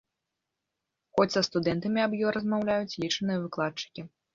Хоць са студэнтамі аб ёй размаўляюць лічаныя выкладчыкі.